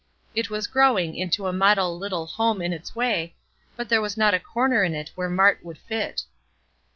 It was growing into a model little home in its way, but there was not a corner in it where Mart would fit.